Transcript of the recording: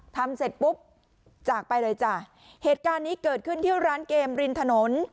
ทำเสร็จปุ๊บจากไปเลยจ้ะเหตุการณ์นี้เกิดขึ้นที่ร้านเกมริมถนน